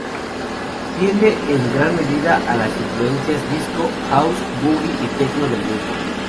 Tiende en gran medida a las influencias disco, house, boogie y techno del grupo.